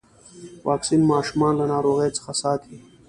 واکسین ماشومان له ناروغيو څخه ساتي.